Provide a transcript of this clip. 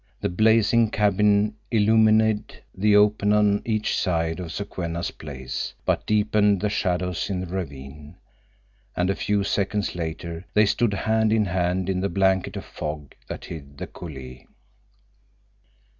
The blazing cabin illumined the open on each side of Sokwenna's place, but deepened the shadows in the ravine, and a few seconds later they stood hand in hand in the blanket of fog that hid the coulée.